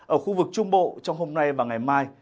ở khu vực trung bộ trong hôm nay và ngày mai